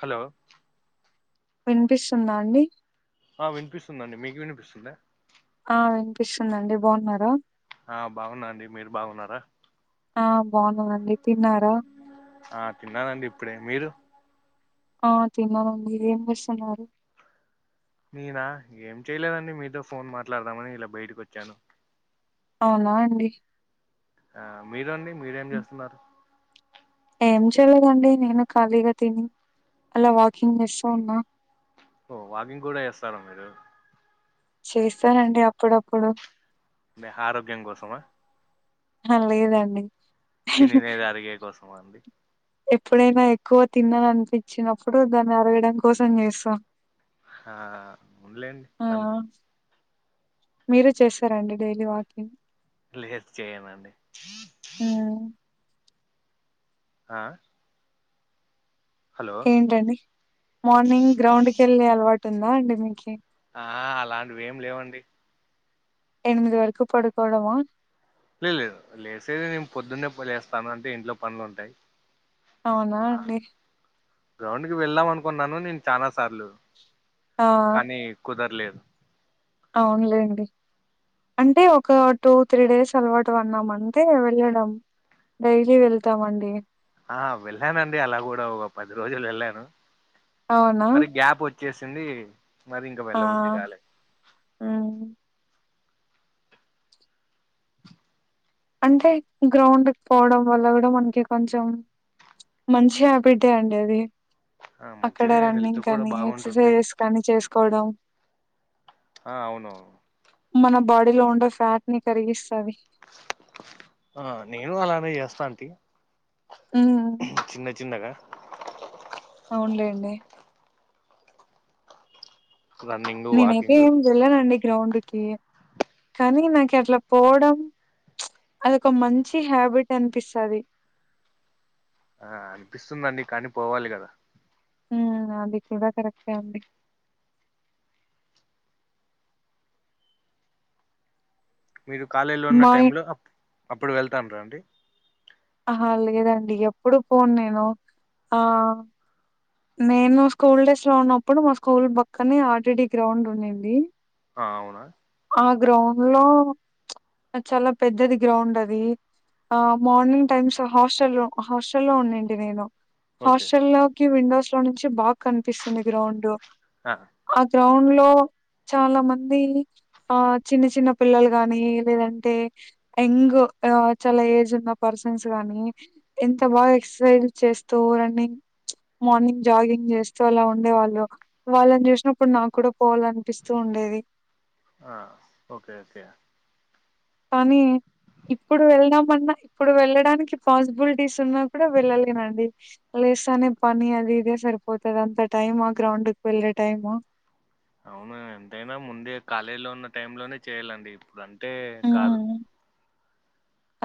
Hello వినిపిస్తుంద అండి ఆ విన్పిస్తుందండి మీకు వినిపిస్తుందా ఆ వినిపిస్తుంది అండి బాగున్నారా ఆ బాగున్నా అండి మీరు బాగున్నారా ఆ బోన్నానండి తిన్నారా ఆ తిన్నానండి ఇప్పుడే మీరు ఆ తినానండి మీరు ఏం చేస్తున్నారు నేనా ఏం చెయలేదండి మీతో ఫోన్ మాట్లాడదామని ఇలా బయటకి వచ్చాను అవునా అండి ఆ మీరండి మీరేం చేస్తున్నారు ఏం చేయలేదండి నేను ఖాళీగా తిని అలా వాకింగ్ ఇస్తా ఉన్నా ఓ వాకింగ్ కూడా చేస్తారా మీరు చేస్తానండి అప్పుడప్పుడు మి హరోగ్యం కోసమ ఆ లేదండి తిననేదేదో అరిగే కోసంమండి ఎప్పుడైనా ఎక్కువ తిన్నాని అనిపించినప్పుడు దాన్ని అరగడం కోసం జెస్తా ఆ ఉండలేండి ఆ అంతే మీరు చేస్తారండి డైలీ వాకింగ్ లేదు చేయనండి హ అ ఏంటండి మార్నింగ్ గ్రౌండ్ కెళ్ళి అలవాటు ఉందా అండి మీకి ఆ అలాంటివి ఏం లేవండి ఎనిమిది వరకు పొడుకోడమా లే లేదు లేసేది నేను పొద్దున్నే లేస్తాను అంటే ఇంట్లో పన్నలుంటాయి అవునా అండి గ్రౌండ్కి వెళ్ళాం అనుకున్నాను నేను చాలా సార్లు ఆ! కానీ కుదరలేదు అవున్లేండి అంటే ఒక టూ త్రీ డేస్ అలవాటు పాడ్నం అంటే వెళ్ళడం డైలీ వెళ్తామండి ఆ వెళ్ళానండి అలా కూడా ఒక పది రోజులు వెళ్ళాను అవునా? మరి గ్యాప్ వచ్చి చేసింది ఆ మ్ అంటే గ్రౌండ్కి పోవడం వల్ల కూడా మనకి కొంచెం మంచి హ్యాపిటే అండి అది ఆ అక్కడ మంచిదే హెల్త్ రన్నింగ్ కూడా కానీ బాగుంటుంది ఎక్సర్సైజెస్ పని చేసుకోడం ఆ ఔను మన బాడీలో ఉండే ఫ్యాట్ని కరిగిస్తది ఆ నేను అలానే చేస్తా అంటి. హ్మ్. చిన్న చిన్నగా. అవునులేండి. రన్నింగ్ నేనైతే వాకింగ్ ఏం వెళ్ళానండి గ్రౌండ్కి కానీ నాకి అట్లా పోవడం. అదోక మంచి హ్యాబిట్ అనిపిస్తది. ఆ అనిపిస్తుందండి కనీ పోవాలి గద. ఉమ్ అది కూడా కరక్టే అండి. మీరు కాలేయిలో ఉన్న మాయి టైం లో అప్ అప్పుడు వెళ్తాండ్ర అండి. ఆహా లేదండి ఎప్పుడు పోన్ నేను ఆ. నేను స్కూల్ డేస్ లో ఉన్నప్పుడు మా స్కూల్ పక్కనే ఆర్టీడి గ్రౌండ్ ఉండింది. ఆ అవునా. ఆ గ్రౌండ్ లో. అద్ చాలా పెద్దది గ్రౌండ్ అది ఆ మార్నింగ్ టైమ్స్ హాస్టల్ ల్లో. హాస్టల్ల్లో ఉండుంటి నేను ఓకే హాస్టల్లో. కి విండోస్ లో నుంచి బాగ్ కనిపిస్తుంది గ్రౌండు. హ. ఆ గ్రౌండ్ లో చాలా మందీ. ఆ చిన్న చిన్న పిల్లలు గాని లేదంటే. ఎంగ్ ఆ చాలా ఏజ్ ఉన్న పర్సన్స్ గాని. ఎంత బాగా ఎక్సర్సైజ్ చేస్తూ రన్నింగ్. మార్నింగ్ జాగింగ్ చేస్తూ అలా ఉండేవాళ్ళు. వాళ్ళను జూసినప్పుడు నాక్ గూడా పోవాలనిపిస్తూ ఉండేది. అ ఓకే ఓకే. పనీ. ఇప్పుడు వెళ్ళదామన్నా ఇప్పుడు వెళ్ళడానికి పాస్బుల్టీస్ ఉన్నా కూడా వెళ్ళలేనండి. లేస్తానే పని అది ఇదే సరిపోతది అంత టైమ్ అ గ్రౌంకి వెళ్లే టైము. అవుమే ఎంతైనా ముందే కాలేజీ లో ఉన్న టైం లోనే చేయ్యాలండి ఇప్పుడు అంటే కాదు.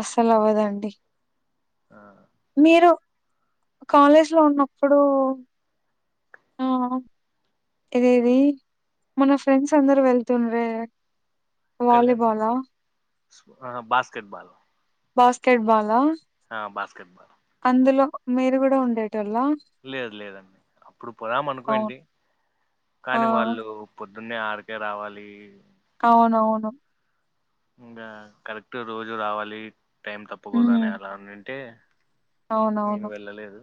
అస్సల్ అవ్వదండి ఆ మీరు. కాలేజ్ లో ఉన్నప్పుడు ఆ. ఇదేది మన ఫ్రెండ్స్ అందరు వెళ్తుండ్రే. ఎక్కడికండి వాలీబాలా? స్ బాస్కెట్ బాల్. Basketball. అ బాస్కెట్ బాలు. అందులో మీరు గూడా ఉండేటోల్లా. లేదు లేదండి అప్పుడు పొదం అవును. అనుకొంటి ఆ! కనీ వాళ్ళు. పొద్దున్నే ఆరుకే రావాలి. అవునవును. ఇంగా కరెక్ట్ రోజు రావాలి టైం తప్పకూడదనే హ్మ్. అలా అనుంటే. నేను అవునవును. వెళ్ళలేదు.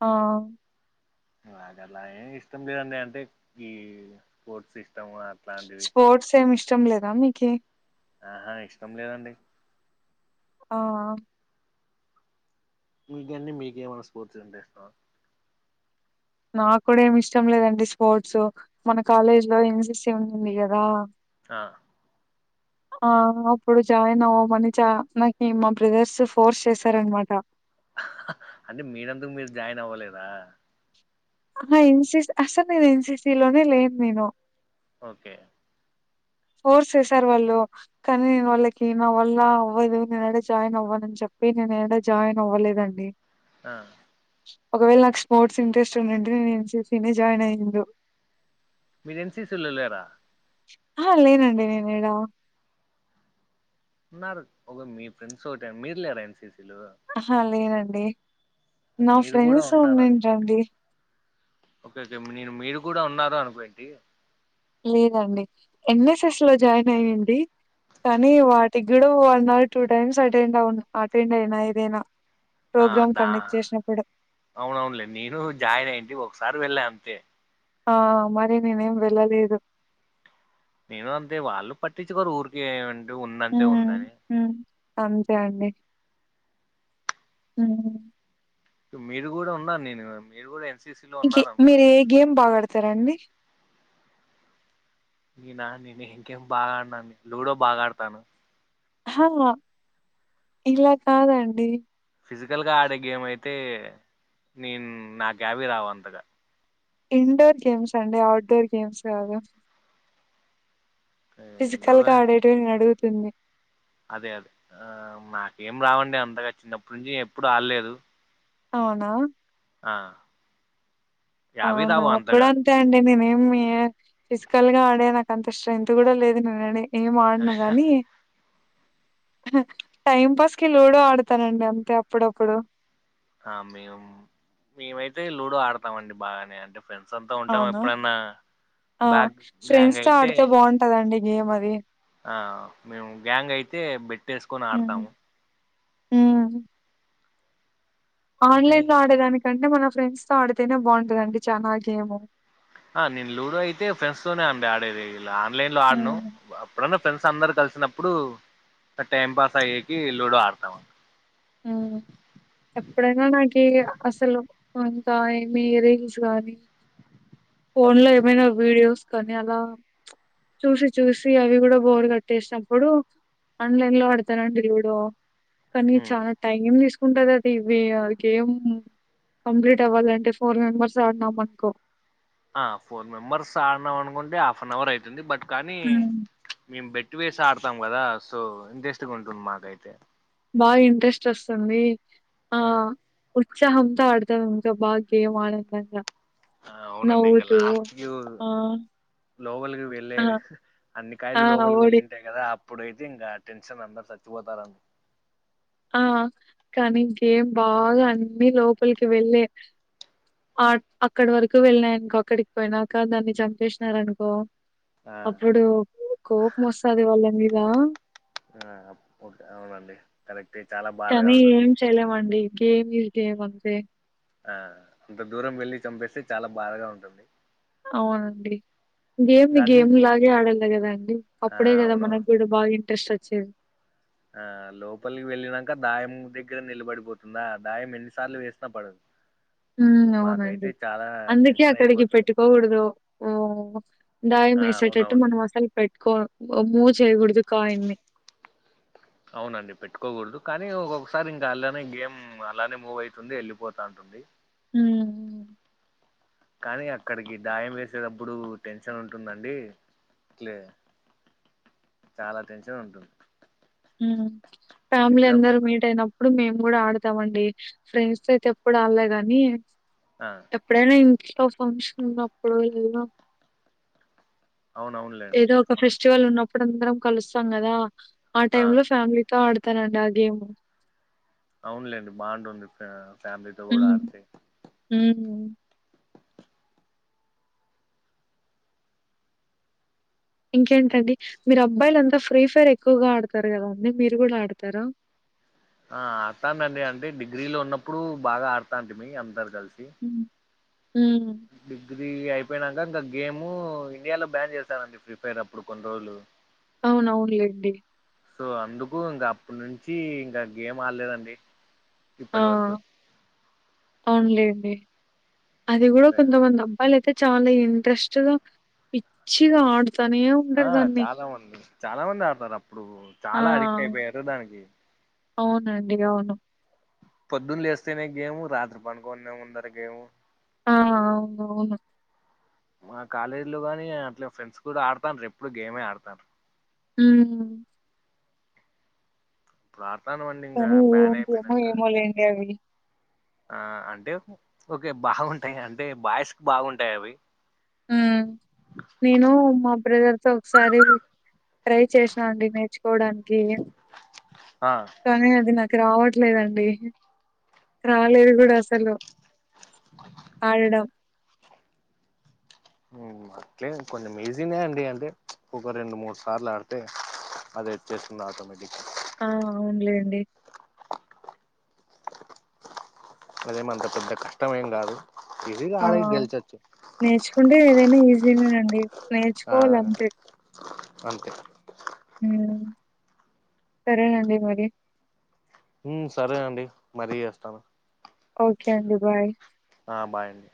ఆ. అదిఅలాగే ఎం ఇష్టం లేదండి అంటే ఈ స్పోర్ట్స్ ఇష్టం. అట్లాంటివి స్పోర్ట్స్ ఏమి ఇష్టం లేదా మీకి. ఆహా ఇష్టం లేదండి. ఆ అ. మీకండి మీకేమన్నా స్పాట్సంటే ఇష్టమ. నాక్కూడా ఏమి ఇష్టం లేదండి స్పోర్ట్స్ మన కాలేజ్ లో ఎన్ సి సి ఉన్నింది కదా ఆ ఆ అప్పుడు జాయిన్ అవ్వమని చా నాకి మా బ్రదర్స్ ఫోర్స్ చేసారన్నమాట అంటే మీరంతకు మీరు జాయిన్ అవ్వలేదా ఆహ ఎన్ సి స్ అస్సల్ నిను ఎన్ సి సి లేను నేను ఓకే ఫోర్స్ చేసారు వాళ్ళు కానీ నేను వాళ్ళకి నా వల్ల అవ్వదు నేను యడా జాయిన్ అవ్వనాని చెప్పి నేను యడా జాయిన్ అవ్వలేదండి ఆ ఒకవేళ నాకు స్పోర్ట్స్ ఇంట్రెస్ట్ ఉన్నింటే నేను ఎన్ సి సి నే జాయిన్ అయ్యిందు మీరు ఎన్ సి సి లో లేరా అహ లేేనండి నేను యేడా ఉన్నారు ఒక మీ ఫ్రెండ్స్ ఒకటే మీరు లేర ఎన్ సి సి లో అహ లేనండి నా మీరు కూడా ఫ్రెండ్స్ ఉన్నారు అనుకోండి ఉన్నిండ్రి అండి ఓకే ఓకే నేను మీరు కూడా ఉన్నారు అనుకోయింటి లేదండి ఎన్ఎస్ఎస్ లో జాయిన్ అయ్యింటి కానీ వాటికి కూడా one or two times attend అవున అటెండ్ అయినా ఏదైనా ఆ ప్రోగ్రామ్ దా కండక్ట్ చేసినప్పుడు అవునవునులే నేను జాయిన్ అయ్యంటి ఒకసారి వెళ్ళా అంతే ఆ మరి నేనేం వెళ్ళలేదు. నేను అంతే వాళ్ళు పట్టించుకోరు ఊరికె ఏమంటే ఉందంటే ఉందని మ్మ్ అంతే అండి మీరు కూడా ఉన్నా నిను మీరు కూడా ఎన్సీసీలో ఉన్నారు మీరు అనుకోండి ఏ గేమ్ బాగా ఆడతారండి నినా నిను ఏం గేమ్ బాగా ఆడనాండి లూడో బాగా ఆడతాను హా ఇలా కాదండి ఫిజికల్ గా ఆడే గేమ్ అయితే నిన్ నాకు యావి రావు అంతగా ఇన్ డోర్ గేమ్స్ అండి ఔట్ డోర్ గేమ్స్ కాదు ఫిజికల్ ఏందోరే గా ఆడేటివే నిను అడుగుతుంది అదే అ ఆ నాకేం రావండి అంతగా చిన్నప్పటి నుంచి ఎప్పుడు ఆడలేదు అవునా ఆ ఆ! యావి రావు నాకు కూడా అంతగా అంతే అండి నేనేమి ఫిజికల్ గా ఆడేకది నాకు అంత స్ట్రెంత్ కూడా లేదు కూడా లేదు నినేమి ఏం అడను గానీ హ టైం పాస్ కి లూడో ఆడతానండి అంతే అప్పుడప్పుడు హ మేము మేమైతే లూడో ఆడతామండి బాగానే అంటే ఫ్రెండ్స్ అంతా ఉంటాం అవునా? ఎప్పుడన్నా బ్యాక్ గ్యాంగ్ అయితే ఉంటదండి గేమ్ అది ఆ మేము గ్యాంగ్ అయితే బెట్టుయేసుకొని ఆడతాము ఏమాని ఆన్ అంతే లైన్ లో ఆడేదానికంటే మన ఫ్రెండ్స్ తో ఆడితేనే బాగుంటదండి చానా గేమ్ హ నేను లూడో అయితే ఫ్రెండ్స్ తోనే అండి ఆడేది ఇలా ఆన్లైన్ లో ఆడను హ్మ్. ఎప్పుడన్న ఫ్రెండ్స్ అందరు కలిసినప్పుడు ఇంకా టైం పాస్ అయ్యేకి లూడో ఆడతాం అవున ఎప్పుడైనా నాక అసలు [unintelligible] ఇయారింగ్స్గానీ ఫోన్లో ఏమైనా వీడియోస్ కానీ అలా చూసి చూసి అవి కూడా బోరు కట్టేసినప్పుడు ఆన్లైన్లో ఆడతానండి లూడో కానీ ఉమ్ చానా టైం తీసుకు ఉంటది అద ఇవి గేం కంప్లీట్ అవ్వాలంటే ఫోర్ మెంబర్స్ ఆడినాం అనుకో ఆ ఫోర్ మెంబెర్స్ ఆడినాం అనుకుంటే హాఫ్ అన్ అవర్ అవుతుంది బట్ కానీ హ్మ్. మేము బెట్టి వేసి ఆడతాం కదా సో ఇంట్రెస్టుగా ఉంటుంది మాకైతే బాగ ఇంట్రెస్ట్ వస్తుంది ఆ ఉత్సాహంతో ఆడుతాం ఇంకా గేమాందంగా ఆ అవునండి ఇంకా లస్ట్ వ్యూ ఆ! లోపలికి వెళ్ళే ఆ! అన్ని ఆ! కాయలు లోపలికి ఓడి వెళ్ళింటే కదా అప్పుడయితే ఇంకా టెన్షన్ అందరు చచ్చిపోతారు ఆ కనీ ఇంకేం బాగా అన్ని లోపలికి వెల్లే అక్కడి వరకు వెళ్ళినాయనుకో అక్కడికి పోయినాక దాన్ని చంపేసినారనుకో ఆ అప్పుడు కోపం వస్తది వాళ్ళ మీద ఆ అవునండి కరెక్ట్ఏ చాలా బాధగా ఉంటుంది తెలవండి గేమ్ ఇస్ గేమ్ అంతే ఆ అంత దూరం వెళ్ళి చంపేస్తే చాలా బాగా ఉంటుంది అవునండి గేమ్ని ఇంకా అన్ని గేమ్ లాగే ఆడాలి కదా అండి ఆ అప్పుడే కదా మనకి అవునవును కూడా బాగ ఇంట్రెస్ట్ వచ్చెది ఆ లోపలికి వెళ్ళినంక దాయం దగ్గర నిలబడిపోతుందా దాయం ఎన్నిసార్లు వేసిన పడదు ఉ ఇప్పుడు అవునండి మాకైతే చాలా అందుకే టెన్షన్ అక్కడికి అయిపోతుంది పెట్టుకోకూడదు ఓ దాయం ఆ వేసేటట్టు అవునవును మనం అసలు పెట్టుకో మూవ్ చేయకూడదు కాయిన్ని అవునండి పెట్టుకోకూడదు కానీ ఒక్కొక్కసారి ఇంకా అలానే గేమ్ అలానే మూవ్ అవుతుంది వెళ్ళలిపోత ఉంటుంది హు కానీ అక్కడికి డాయం వేసేటప్పుడు టెన్షన్ ఉంటుందండి ట్లే చాలా టెన్షన్ ఉంటుంది ఉ ఫ్యామిలీ ఎగ్జామ్స్ అందరు మీట్ అయినప్పు ఇప్పుడు మేము కూడా ఆడతాంమండి ఫ్రెండ్స్తో అయితే ఎప్పుడు ఆడలే గాని ఆ ఎప్పుడైనా ఇంట్లో ఫంక్షన్ ఉన్నప్పుడు లేదో అవునవును ఏదో ఒక ఫెస్టివల్ ఉన్నప్పుడు అందరం కలుస్తాం కదా ఆ టైంలో ఫ్యామిలీ తో ఆడతానండి ఆ గేమ్ అవునులేండి బాగుంటుంది ఫ్యామిలీతో కూడా ఆడితే హు ఇంకేంటండి మీరు అబ్బాయిలు అంతా ఫ్రీ ఫైర్ ఎక్కువగా ఆడతారు కదా అండి మీరు కూడా ఆడతారా ఆ ఆడతానండి అంటే డిగ్రీలో ఉన్నప్పుడు బాగా ఆడతాంటిమీ అందరు కలిసి ఉ హు డిగ్రీ అయిపోయినాక ఇంకా గేమ్ ఇండియాలో బ్యాన్ చేశానండి ఫ్రీ ఫైర్ అప్పుడు కొన్ని రోజులు అవును అవును లేండి సో అందుకు ఇంకా అప్పటి నుంచి ఇంకా గేమ్ ఆడలేదండి ఆ ఇప్పటి వరకు అవునులేండి అది కూడా ఇంకా కొంతమంది అ వాళ్ళైతే చాలా ఇంట్రెస్ట్గా పిచ్చిగా ఆడతానే ఆ చాలా మంది చాలా మంది ఆడతారు. అప్పుడు చాలా అడిక్ట్ ఆ! అయిపోయారు దానికి. అవునండి అవును పొద్దున్న లేస్తేనే గేము, రాత్రి పండుకొనే ముందు గేము. ఆ అవునా, అవును మా కాలేజీ లో కాని అట్లా ఫ్రెండ్స్ కూడా ఆడుతాండ్రు ఎప్పుడు గేమే ఆడతారు. మ్ ఇప్పుడు ఆడుతాన్నామండి. కానీ ఏంటివేమో ఏమోలేండి అవి ఆ అంటే ఓకే బాగుంటాయి. అంటే బాయ్స్ కి బాగుంటాయి అవి. మ్ నేను మా బ్రదర్తో ఒకసారి ట్రై చేసా అండి నేర్చుకోవడానికి ఆ కానీ అది నాకు రావట్లేదండి. రాలేదు కూడా అసలు. ఆడడం అట్లే కొంచెం ఈజీనే అండి అంటే ఒక రెండు మూడు సార్లు ఆడితే అది వచ్చేస్తుంది ఆటోమేటిక్గా ఆ అవునులేండి అదేమంత పెద్ద కష్టం ఏం కాదు ఈజీగా ఆ! ఆడి గెలచొచ్చు. నేర్చుకుంటే ఏదైనా ఈజీనేనండి ఆ నేర్చుకోవాలి అంతే. అంతే సరే నండి మరి సరే అండి మరీ చేస్తాను. ఓకే అండి బాయ్. ఆ బాయ్ అండి.